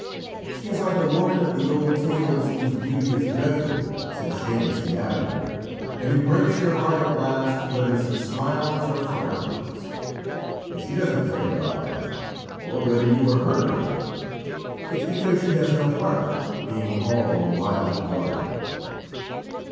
"She is like a woman of the old tales whose beauty is dreadful," said Seumas, the islander, "and who breaks your heart at last whether she smiles or frowns. But she doesn't care about that, or whether you are hurt or not. It's because she has no heart, being all a wild water."